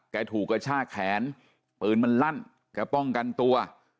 ถูกกระชากแขนปืนมันลั่นแกป้องกันตัว